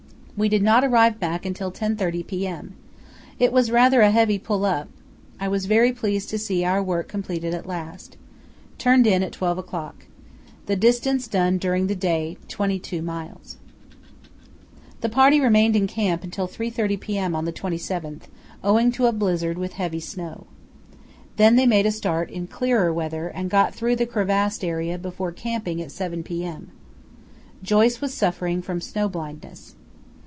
We did not arrive back until 10.30 p.m. It was rather a heavy pull up. I was very pleased to see our work completed at last.... Turned in 12 o'clock. The distance done during day 22 miles." The party remained in camp until 3.30 p.m. on the 27th, owing to a blizzard with heavy snow. Then they made a start in clearer weather and got through the crevassed area before camping at 7 p.m. Joyce was suffering from snow blindness.